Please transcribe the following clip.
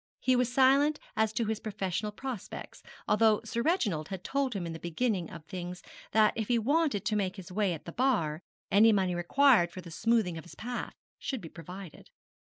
He was silent as to his professional prospects, although Sir Reginald had told him in the beginning of things that if he wanted to make his way at the Bar any money required for the smoothing of his path should be provided.